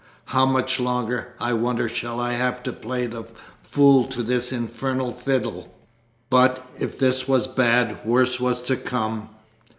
How much longer, I wonder, shall I have to play the fool to this infernal fiddle!" But, if this was bad, worse was to come.